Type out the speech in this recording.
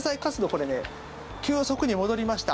これね、急速に戻りました。